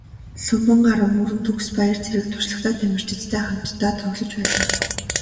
Лхүмбэнгарав, Мөрөн, Төгсбаяр зэрэг туршлагатай тамирчидтай хамтдаа тоглож байлаа.